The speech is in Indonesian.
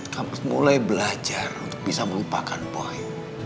kamu mulai belajar untuk bisa melupakan poi